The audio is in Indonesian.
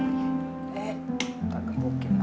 eh enggak kebukin lah